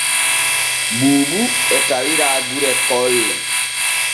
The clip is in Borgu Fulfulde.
Buubu e tawira gure Koole.